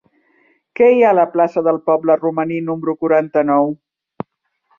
Què hi ha a la plaça del Poble Romaní número quaranta-nou?